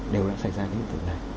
đều đã xảy ra cái hiện tượng này